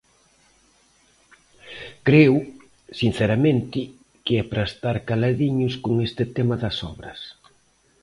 Creo, sinceramente, que é para estar caladiños con este tema das obras.